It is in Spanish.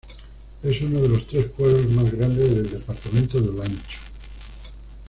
Es uno de los tres pueblos más grandes del departamento de Olancho.